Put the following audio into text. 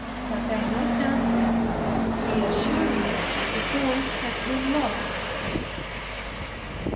Had I not done this, he assured me the cause had been lost.